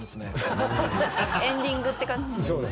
エンディングって感じ。